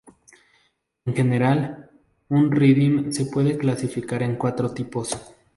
En general, un riddim se puede clasificar en cuatro tipos.